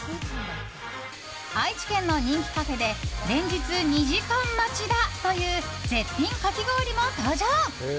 愛知県の人気カフェで連日２時間待ちだという絶品かき氷も登場！